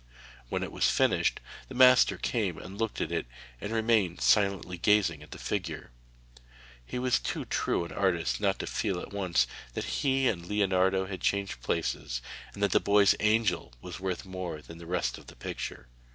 When it was finished the master came and looked at it, and remained silently gazing at the figure. He was too true an artist not to feel at once that he and Leonardo had changed places, and that the boy's Angel was worth more than all the rest of the picture.